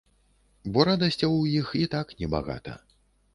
Бо радасцяў у іх і так небагата.